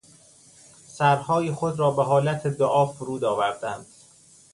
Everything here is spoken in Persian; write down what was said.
سرهای خود را بهحالت دعا فرود آوردند.